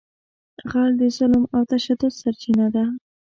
غل د ظلم او تشدد سرچینه ده